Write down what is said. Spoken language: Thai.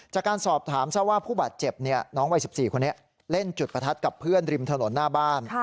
จากการสอบถามทราบว่าผู้บาดเจ็บน้องวัย๑๔คนนี้เล่นจุดประทัดกับเพื่อนริมถนนหน้าบ้าน